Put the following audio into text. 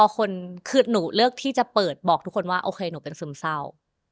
คือหนูเลือกที่จะเปิดบอกทุกคนว่าโอเคหนูเป็นซึมเศร้า